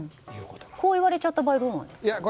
こう言われちゃった場合どうなんですか？